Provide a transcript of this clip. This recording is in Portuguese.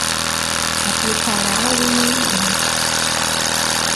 Aplicará o imunizante